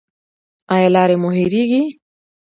ایا لارې مو هیریږي؟